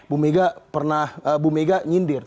bu mega pernah bu mega nyindir